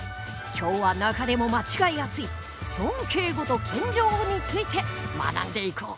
今日は中でも間違えやすい尊敬語と謙譲語について学んでいこう。